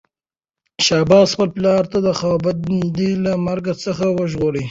شاه عباس خپل پلار خدابنده له مرګ څخه وژغوره.